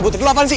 itu tadi putri